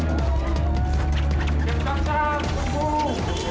hah dewa tarsan